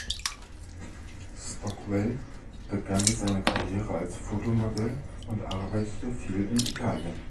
Stockwell begann seine Karriere als Fotomodell und arbeitete viel in Italien.